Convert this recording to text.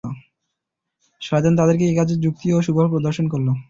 শয়তান তাদেরকে এ কাজের যুক্তি ও সুফল প্রদর্শন করল।